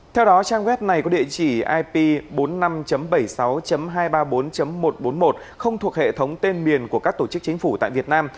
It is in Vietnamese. theo đó trang web này có địa chỉ ip bốn mươi năm bảy mươi sáu hai trăm ba mươi bốn một trăm bốn mươi một không thuộc hệ thống tên miền của các tổ chức chính phủ tại việt nam